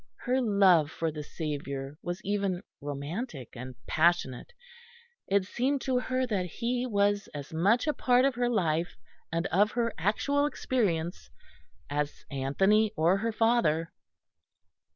Her love for the Saviour was even romantic and passionate. It seemed to her that He was as much a part of her life, and of her actual experience, as Anthony or her father.